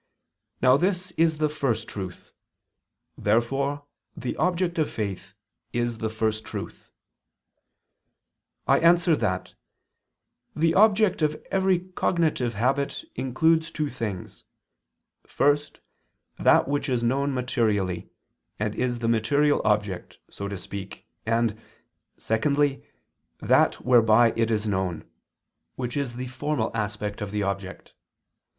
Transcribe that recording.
Now this is the First Truth. Therefore the object of faith is the First Truth. I answer that, The object of every cognitive habit includes two things: first, that which is known materially, and is the material object, so to speak, and, secondly, that whereby it is known, which is the formal aspect of the object.